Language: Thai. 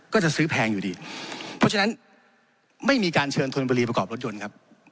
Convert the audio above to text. ก็จะซื้อแพงอยู่ดีเพราะฉะนั้นไม่มีการเชิญธนบุรีประกอบรถยนต์ครับ